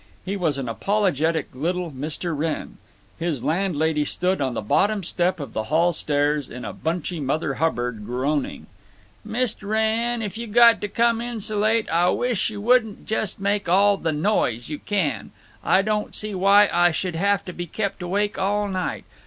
He was an apologetic little Mr. Wrenn. His landlady stood on the bottom step of the hall stairs in a bunchy Mother Hubbard, groaning: "Mist' Wrenn, if you got to come in so late, Ah wish you wouldn't just make all the noise you can. Ah don't see why Ah should have to be kept awake all night.